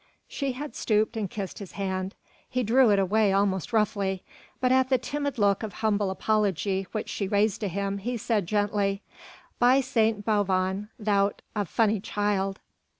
She had stooped and kissed his hand. He drew it away almost roughly, but at the timid look of humble apology which she raised to him, he said gently: "By St. Bavon thou'rt a funny child!